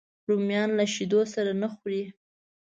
رومیان له شیدو سره نه خوري